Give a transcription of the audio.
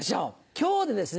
今日でですね